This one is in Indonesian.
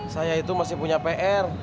saya itu masih punya pr